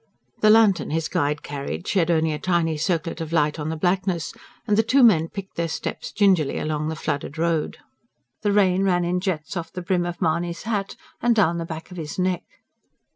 The lantern his guide carried shed only a tiny circlet of light on the blackness; and the two men picked their steps gingerly along the flooded road. The rain ran in jets off the brim of Mahony's hat, and down the back of his neck.